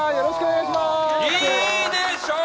いいでしょう！